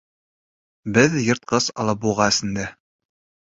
— Беҙ йыртҡыс алабуға эсендә.